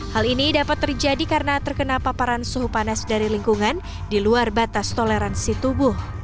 hal ini dapat terjadi karena terkena paparan suhu panas dari lingkungan di luar batas toleransi tubuh